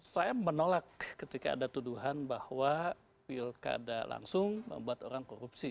saya menolak ketika ada tuduhan bahwa pilkada langsung membuat orang korupsi